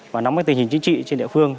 và nắm tình hình chính trị trên địa phương